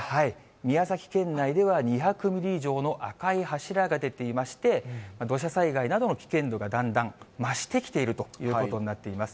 宮崎県内では２００ミリ以上の赤い柱が出ていまして、土砂災害などの危険度がだんだん増してきているということになっています。